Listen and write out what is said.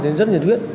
thì rất nhiệt huyết